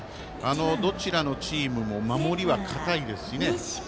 どちらのチームも守りは堅いですしね。